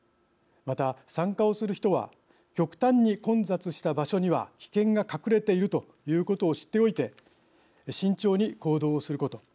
また、参加をする人は極端に混雑した場所には危険が隠れているということを知っておいて慎重に行動をすること。